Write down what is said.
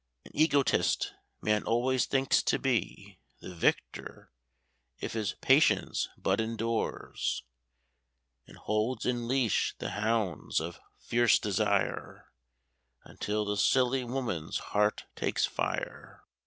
(An egotist, man always thinks to be The victor, if his patience but endures, And holds in leash the hounds of fierce desire, Until the silly woman's heart takes fire.)